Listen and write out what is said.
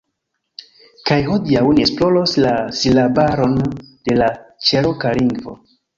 Kaj hodiaŭ ni esploros la silabaron de la Ĉeroka lingvo